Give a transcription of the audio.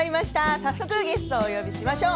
早速ゲストをお呼びしましょう。